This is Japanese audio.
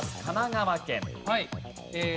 神奈川県。